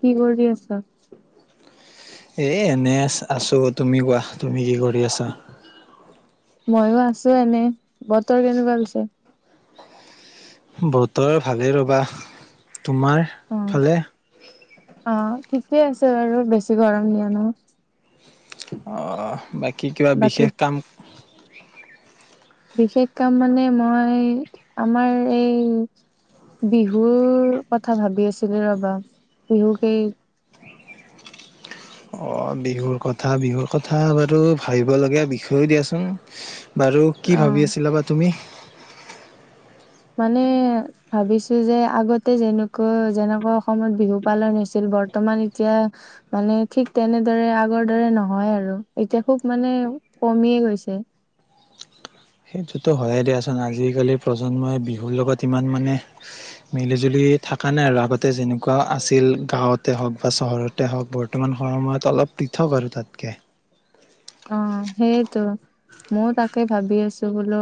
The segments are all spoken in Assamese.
কি কৰি আছা? আছোঁ তুমি কোৱা? তুমি কি কৰি আছা? ময়ো আছো এনে বতৰ কেনেকুৱা গৈছে? বতৰ ভালেই ৰবা, তোমাৰ অ', ফালে? অ' ঠিকে আছে বাৰু বেছি গৰম দিয়া নাই। অ' বাকি? কি কিবা বাকী বিশেষ কাম বিশেষ কাম মানে মই আমাৰ এই বিহুৰ কথা ভাবি আছিলো ৰবা, বিহুক এই অঁ' বিহুৰ কথা, বিহুৰ কথা বাৰু ভাবিবলগীয়া বিষয়েও দিয়াচোন। বাৰু কি অ', ভাবি আছিলা বা তুমি? মানে ভাবিছো যে আগতে যেনেকুৱা-যেনেকুৱা অসমত বিহু পালন হৈছিল, বৰ্তমান এতিয়া মানে ঠিক তেনেদৰে আগৰ দৰে নহয় আৰু এতিয়া খুব মানে কমিয়ে গৈছে। সেইটোতো হয়ে দিয়াচোন আজিকালি প্ৰজন্মই বিহুৰ লগত ইমান মানে মিলি জুলি থকা নাই আৰু আগতে যেনেকুৱা আছিল, গাঁৱতে হওক বা চহৰতে হওক বৰ্তমান সময়ত অলপ পৃথক আৰু তাতকে। অ'সেইটো মইয়ো তাকে ভাবি আছো বোলো,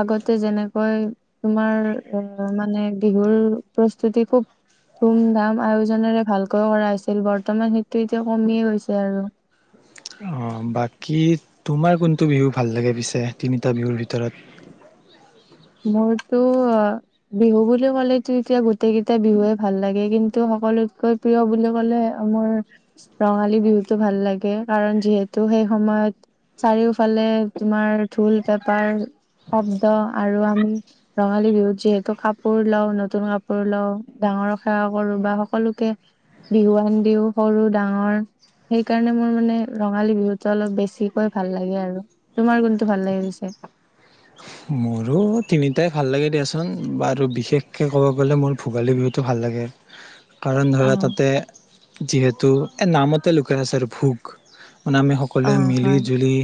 আগতে যেনেকৈ তোমাৰ আহ মানে বিহুৰ প্ৰস্তুতি খুব ধুম-ধাম আয়োজনেৰে ভালকৈ কৰা হৈছিল বৰ্তমান সেইটো এতিয়া কমিয়েই গৈছে আৰু। অঁ' বাকী তোমাৰ কোনটো বিহু ভাল লাগে পিছে তিনিটা বিহুৰ ভিতৰত। মোৰতো বিহু বুলি ক'লেতো এতিয়া গোটেই কেইটা বিহুে ভাল লাগে, কিন্তু সকলোতকৈ প্ৰিয় বুলি ক'লে, মোৰ ৰঙালী বিহুতটো ভাল লাগে কাৰণ যিহেতু সেই সময়ত চাৰিওফালে তোমাৰ ঢোল, পেপাৰ অবদা আৰু আমি ৰঙালী বিহুত যিহেতু কাপোৰ লওঁ, নতুন কাপোৰ লওঁ ডাঙৰক সেৱা কৰো বা সকলোকে বিহুৱান দিও সৰু ডাঙৰ সেইকাৰণে মোৰ মানে ৰঙালী বিহুতো অলপ বেছিকৈ ভাল লাগে, আৰু তোমাৰ কোনটো ভাল লাগে পিছে? মোৰো তিনিটাই ভাল লাগে দিয়াচোন, বাৰু বিশেষকৈ ক'ব গ'লে মোৰ ভোগালী বিহুতটো ভাল লাগে। কাৰণ অ ধৰা তাতে যিহেতু এ নামতে লুকাই আছে ভোগ মানে আমি অ সকলোৱে মিলি হয় জুলি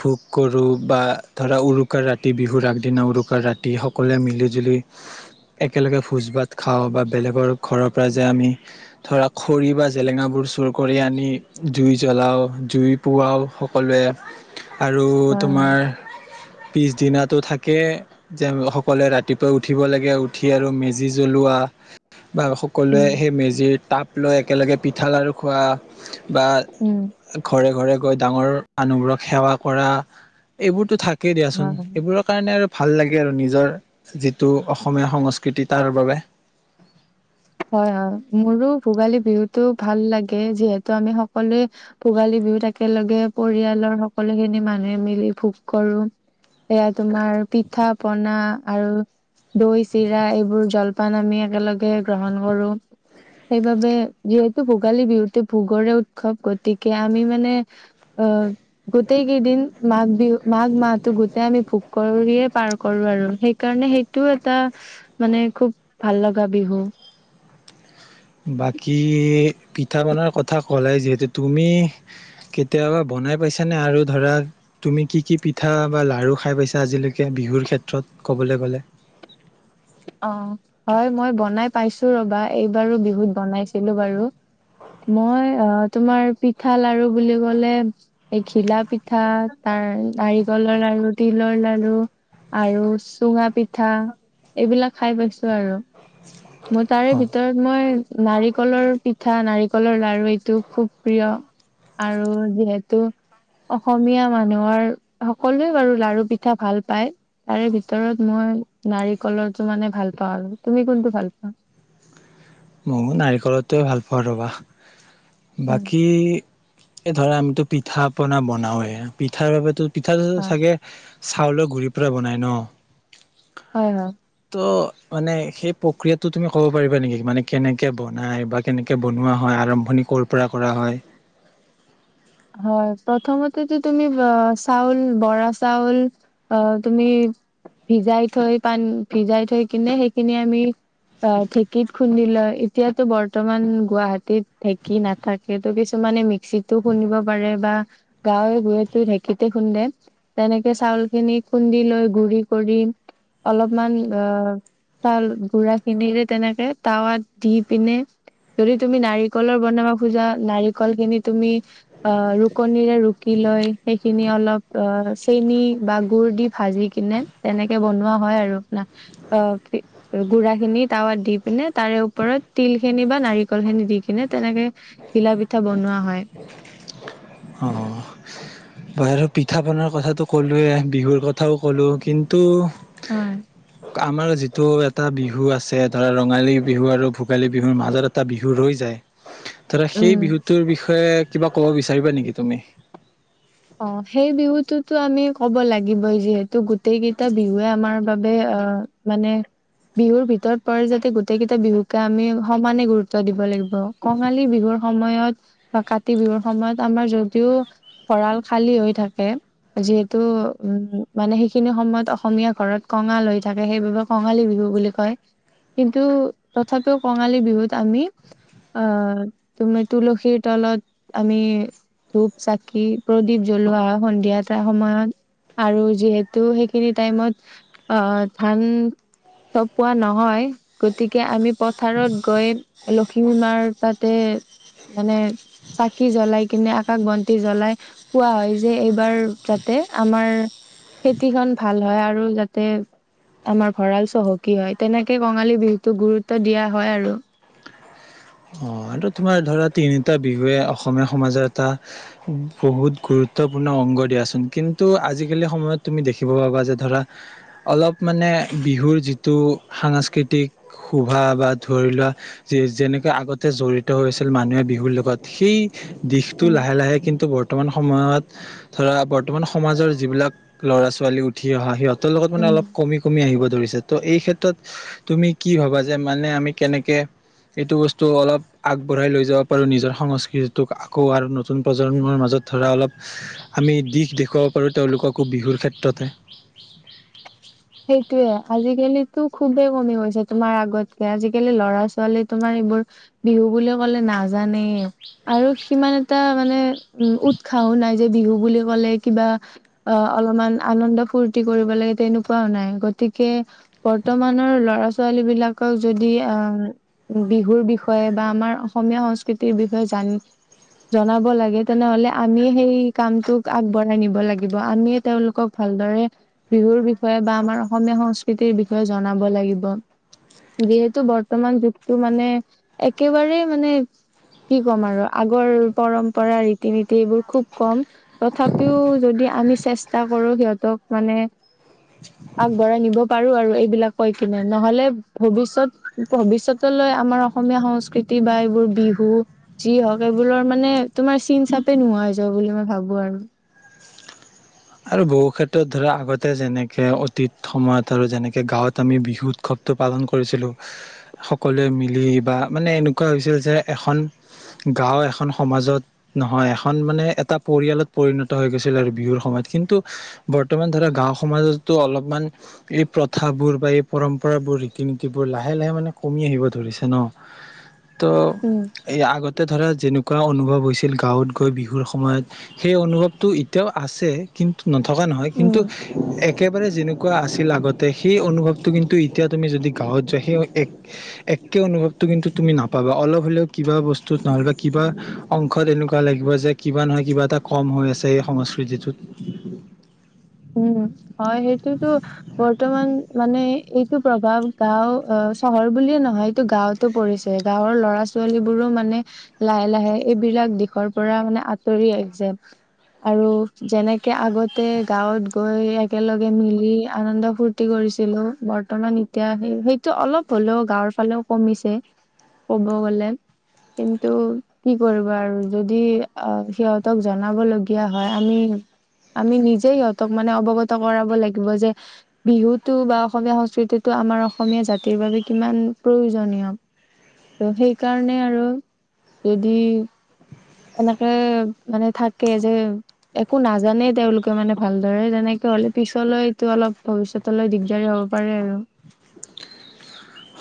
ভোগ কৰোঁ বা ধৰা উৰু উৰুকাৰ ৰাতি বিহুৰ আগদিনা উৰুকাৰ ৰাতি সকলোৱে মিলি জুলি একেলগে ভোজ ভাত খাওঁ বা বেলেগৰ ঘৰত তাৰ পৰা যে আমি ধৰা খৰি বা জেলেঙাবোৰ চুৰ কৰি আনি জুই জ্বলাওঁ জুই পুৱাওঁ সকলোৱে আৰু হয় হয় তোমাৰ পিছদিনোতো থাকে যে সকলোৱে ৰাতিপুৱাই উঠিব লাগে উঠি আৰু মেজি জ্বলোৱা বা উম সকলোৱে সেই মেজিৰ তাপ লৈ একেলগে পিঠা লাড়ু খোৱা বা উম ঘৰে ঘৰে গৈ ডাঙৰ মানুহবোৰক সেৱা কৰা এইবোৰতো থা কেই দিয়াচোন হয় হয় এইবোৰৰ কাৰণে আৰু ভাল লাগে আৰু নিজৰ যিটো অসমীয়া সংস্কৃতি তাৰ বাবে হয় হয় মোৰো ভোগালী বিহুতো ভাল লাগে যিহেতু আমি সকলোৱে ভোগালী বিহুত একেলগে পৰিয়ালৰ সকলো খিনি মানুহে মিলি ভোগ কৰো সেয়া তোমাৰ পিঠা পনা আৰু দৈ চিৰা এইবোৰ জলপান আমি একেলগে গ্ৰহণ কৰো সেইবাবে যিহেতু ভোগালী বিহুটি ভোগৰে উৎসৱ গতিকে আমি মানে অহ গোটেই কেইদিন মাঘ বিহু মাঘ মাহটো গোটেই আমি ফু কৰিয়ে পাৰ কৰো আৰু সেইকাৰণে সেইটোও এটা মানে খুব ভাল লগা বিহু বাকী পিঠা বনাৰ কথা ক'লে যিহেতু তুমি কেতিয়াবা বনাই পাইছানে আৰু ধৰা তুমি কি কি পিঠা বা লাড়ু খাই পাইছা আজিলৈকে বিহুৰ ক্ষেত্ৰত ক'বলৈ গলে অ হয় মই বনাই পাইছো ৰবা এইবাৰো বিহুত বনাইছিলো বাৰু মই অ তোমাৰ পিঠা লাড়ু বুলি কলে এই ঘিলা পিঠা তাৰ নাৰিকলৰ লাড়ু তিলৰ লাড়ু আৰু চুঙা পিঠা এইবিলাক খাই পাইছো আৰু মোৰ তাৰে অ ভিতৰত মই নাৰিকলৰ পিঠা নাৰিকলৰ লাড়ু এইটো খুব প্ৰিয় আৰু যিহেতু অসমীয়া মানুহৰ সকলোৱে বাৰু লাড়ু পিঠা ভাল পায় তাৰে ভিতৰত মই নাৰি কলৰটো মানে ভাল পাও আৰু তুমি কোনটো ভাল পোৱা? মও নাৰিকলতোৱে ভাল পাও ৰবা উম বাকী এই ধৰা আমিতো পিঠা পনা বনাওৱে পিঠাৰ । পিঠা হয় চাগে। চাউলৰ গুৰিৰ পৰা বনাই ন। হয় হয়। ত' মানে সেই প্ৰক্ৰিয়াতো তুমি ক'ব পাৰিবা নেকি? মানে, কেনেকৈ বনায় বা কেনেকৈ বনোৱা হয় আৰম্ভণি ক'ৰ পৰা কৰা হয়? হয় প্ৰথমতেতো অহ তুমি চাউল বৰা চাউল অহ তুমি ভিজাই থৈ পানী ভিজাই থৈ কিনে সেইখিনি আমি ঢেঁকীত খুন্দি লয় এতিয়াতো বৰ্তমান গুৱাহাটীত ঢেকী নাথাকো কিছুমানে । ক্সীটো খুন্দিব [unintelligible] বা গাঁৱে গুড়াটো ঢেঁকীতে খুন্দে তেনেকে চাউল খিনি খুন্দি লৈ গুৰি কৰি অলপমান আহ চাউল গু়ড়া খিনিৰে তেনেকে তাৱাত দি পিনে যদি তুমি নাৰিকলৰ বনাব খোজা নাৰিকল খিনি তুমি [unintelligible] অহ ৰুকনিৰে ৰুকি লৈ সেইখিনি অলপ অহ চেনি বা গুৰ দি ভাজি কিনে তেনেকে বনোৱা হয় আৰু, অহ গু়ড়াখিনি তাৱাত দি পিনে তাৰে ওপৰত তিল খিনি বা নাৰিকল খিনি দি কিনে তেনেকে ঘিলা পিঠা বনোৱা হয়। অ অ বাৰু আৰু পিঠা পনাৰ কথাতোটো ক'লোয়ে, বিহুৰ কথাও কলো কিন্তু। হয় [unintelligible] আমাৰ যিটো এটা বিহু আছে, ধৰা ৰঙালী বিহু আৰু ভোগালী বিহুৰ মাজত এটা বিহু ৰৈ যায়। ধৰা সেই উম বিহুটোৰ বিষয়ে কিব ক'ব বিচাৰিবা? বিচাৰিবা নেকি তুমি? অ সেই বিহুটোতো আমি কব লাগিবই যিহেতু। গোটেই কেইটা বিহুৱে আমাৰ বাবে আহ মানে বিহুৰ ভিতৰত পৰে, যাতে গোটেই কেইটা বিহুকে আমি সমানে গুৰুত্ব দিব লাগিব, কঙালী বিহুৰ সময়ত বা কাতি বিহুৰ সময়ত আমাৰ যিহেতু। ভঁৰাল খালী হৈ থাকে যিহেতু উ মানে সেইখিনি সময়ত অসমীয়া ঘৰত কঙাল হৈ থাকে সেইবাবে কঙালী বিহু বুলি কয় কিন্তু তথাপিও কঙালী বিহুত আমি তমাৰ তুলসীৰ তলত আমি ধূপ চাকি [unintelligible] প্ৰদীপ জ্বলোৱা হয় সন্ধিয়া এাৰ সময়ত আৰু যিহেতু সেইখিনি টাইমত আহ ধান চপোৱা নহয় গতিকে আমি পথাৰত গৈ লখিমী মাৰ তাতে মানে চাকি জ্বলাই কিনে আকাশ বন্তি জ্বলাই [unintelligible] কোৱা হয় যে এইবাৰ যাতে আমাৰ খেতিখন ভাল হয়, আৰু যাতে আমাৰ ভঁৰাল চহকী হয়। তেনেকে কঙালী বিহুতোক গুৰুত্ব দিয়া হয় আৰু। অ আৰু তোমাৰ ধৰা তিনিটা বিহুৱে অসমীয়া সমাজৰ এটা বহুত গুৰুত্বপূৰ্ণ অংগ দিয়াচোন। কিন্তু আজিকালি সময়ত তুমি দেখিব পাবা যে, ধৰা অলপ মানে বিহুৰ যিটো সাংস্কৃতিক শোভা বা ধৰি লোৱা যেনে। আগতে জড়িত হৈছিল, মানুহে বিহুৰ লগত সেই। দিশতটো লাহে লাহে কিন্তু বৰ্তনাম । বৰ্তমান সময়ত, ধৰা বৰ্তমান সমাজৰ যিবিলাক ল'ৰা ছোৱালী উঠি অহা সিহঁতক। সিহঁতৰ লগত মান, উম অলপ কমি কমি আহিব ধৰিছে। ত এই ক্ষেত্ৰত তুমি কি ভাবা যে, মানে আমি কেনেকে এইটো বস্তু। তো অলপ আগবঢ়াই লৈ যাব পাৰোঁ। নিজৰ সংস্কৃতিটোক আকৌ আৰু নতুন প্ৰজন্মৰ মাজত ধৰা অলপ আমি দিশ দেখুৱাব পাৰোঁ তেওঁলোককো বিহুৰ ক্ষেত্ৰতে। সেইটোয়ে আজিকালিটো খুবেই কমি গৈছে, তোমাৰ আগতকে আজিকালি ল'ৰা ছোৱালী তোমাৰ এইবোৰ বিহু বুলি কলে নাজানেই। আৰু সিমান, এটা মানে উ উৎসাহো নাই যে বিহু বুলি ক'লে কিবা অ অলপমান, আনন্দ ফূৰ্তি কৰিব লাগে তেনেকুৱা। পোৱা নাই, গতিকে বৰ্তমানৰ লৰা ছোৱালী বিলাকক যদি আহ বিহুৰ বিষয়ে বা আমাৰ অসমীয়া সংস্কৃতিৰ বিষয়ে জান জনাব লাগে তেনেহলে আমিয়েই সেই কামটোক আগবঢ়াই নিব লাগিব। আমিয়ে তেওঁলোকক ভালদৰে বিহুৰ বিষয়ে। ষয় বা আমাৰ অসমীয়া সংস্কৃতিৰ বিষয়ে জনাব লাগিব। যিহেতু বৰ্তমান যুগতটো মানে একেবাৰেই মানে কি ক'ম আৰু আগৰ পৰম্পৰা ৰীতি নীতি এইবোৰ খুব কম তথাপিও যদি আমি চেষ্টা কৰো সিহঁতক মানে। আগবঢ়াই নিব পাৰো আৰু এইবিলাক কৈ কিনে নহলে ভৱিষ্যত ভৱিষ্যতলৈ আমাৰ অসমীয়া সংস্কৃতি বা এইবোৰ বিহু যি হওক এইবোৰৰ মানে, তোমাৰ চিন চাপে নোহোৱা যোৱা বুলি মই ভাবো আৰু। আৰু বহু ক্ষেত্ৰত ধৰা আগতে যেনেকে অতীত সময়ত আৰু যেনেকে গাঁৱত আমি বিহু উৎসৱতটো পালন কৰিছিলো, সকলোৱে মিলি বা মানে এনেকুৱা হৈছিল যে এখন গাঁও এখন সমাজত নহয় এখন মানে এটা পৰিয়ালত পৰিণত হৈ গৈছিল আৰু বিহুৰ সময়ত। কিন্তু বৰ্তমান ধৰা গাঁও সমাজতো অলপমান এই প্ৰথাবোৰ বা এই পৰম্পৰাবোৰ ৰীতি নীতিবোৰ লাহে লাহে মানে কমি আহিব ধৰিছে ন। ত' উম এ আগতে ধৰা যেনেকুৱা। অনুভৱ হৈছিল গাঁৱত গৈ বিহুৰ সময়ত সেই অনুভৱটো এতিয়াও আছে। কিন্তু। নথকা নহয়, কিন্তু উম একেবাৰে যে। এনেকুৱা আছিল আগতে সেই অনুভৱটো কিন্তু এতিয়া তুমি যদি গাঁৱত যোৱা সেই এক একে অনুভৱটো কিন্তু তুমি নাপাবা অলপ হ'লেও কিবা বস্তুত নহলে বা কিবা অংশত এনেকুৱা লাগিব যে কিবা নহয় কিবা এটা কম হৈ আছে এই সংস্কৃতিটোত উ উম হয় সেইটোতো বৰ্তমান মানে এইটো প্ৰভাৱ গাও চহৰ বুলিয়ে নহয় এইটো গাঁওতো পৰিছে গাঁৱৰ লৰা ছোৱালী বোৰো মানে লাহে লাহে এইবিলাক দিশৰ পৰা মানে আঁতৰি আহিছে আৰু যেনেকে আগতে গাঁৱত গৈ একেলগে মিলি আনন্দ ফূৰ্তি কৰিছিলো বৰ্তমান এতিয়া সেই সেইটো অলপ হ'লেও গাঁৱৰ ফালেও কমিছে ক'ব গ'লে কিন্তু কি কৰিব আৰু যদি সিহঁতক জনাবলগীয়া হয় আমি আমি সিহঁতক মানে অৱগত কৰাব লাগিব যে বিহুতটো বা অসমীয়া সংস্কৃতিটো আমাৰ অসমীয়া জাতিৰ বাবে কিমান প্ৰয়োজনীয় ত সেইকাৰণে আৰু যদি এনেকে মানে থাকে যে একো নাজানে তেওঁলোকে মানে ভাল ধৰে তেনেকে হলে পিছলৈতটো অলপ ভৱিষ্যতলৈ দিগদাৰী হ'ব পাৰে আৰু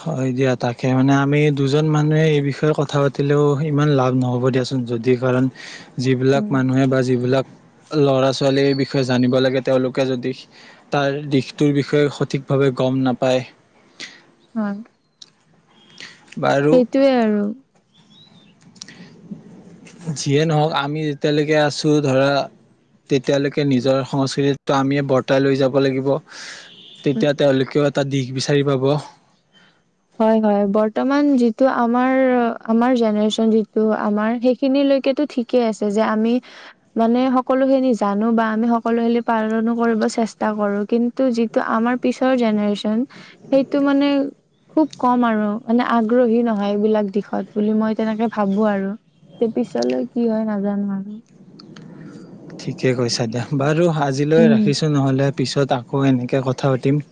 হয় দিয়া তাকে মানে আমি দুজন মানুহে এই বিষয়ে কথা পাতিলেও ইমান লাভ নহ'ব দিয়াচোন যদি কাৰণ যিবিলাক উম, মানুহে বা যিবিলাক লৰা ছোৱালীৰ বিষয়ে জানিব লাগে তেওঁলোকে যদি তাৰ দিশটোৰ বিষয়ে সঠিকভাৱে গম নাপায়। হয়। বাৰু সেইটোৱে আৰু যিয়ে নহওক আমি যেতিয়ালৈকে আছোঁ ধৰা তেতিয়ালৈকে নিজৰ সংস্কৃতিটো আমিয়ে বৰ্তাই লৈ যাব লাগিব। উম, তেতিয়া তেওঁলোকেও এটা দিশ বিচাৰি পাব। হয় হয় বৰ্তমান যিটো আমাৰ আমাৰ জেনেৰেচন যিটো আমাৰ সেইখিনিলৈকো ঠিকেই আছে যে আমি মানে সকলোখিনি জানো বা আমি সকলোখিনি পালনো কৰিব চেষ্টা কৰো কিন্তু যিটো আমাৰ পিছৰ জেনেৰেযন সেইটো মানে খুব কম আৰু মানে আগ্ৰহী নহয় এইবিলাক দিশত বুলি মই তেনেকে ভাবো আৰু তে পিছলৈ কি হয় নাজানো আৰু ঠিকে কৈছা দিয়া বাৰু আজিলৈ উম ৰাখিছোঁ নহ'লে পিছত আকৌ এনেকৈ কথা পাতিম।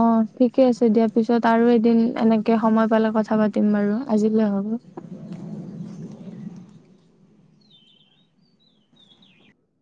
অ ঠিকে আছে দিয়া পিছত আৰু এদিন এনেকে সময় পালে কথা পাতিম বাৰু আজিলৈ হ'ব।